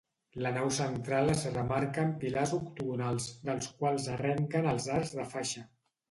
La nau central es remarca amb pilars octogonals, dels quals arrenquen els arcs de faixa.